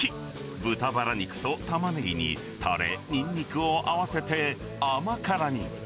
豚ばら肉とタマネギにたれ、ニンニクを合わせて甘辛に。